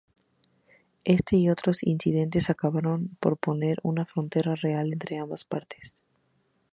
Este y otros incidentes acabaron por imponer una frontera real entre ambas partes.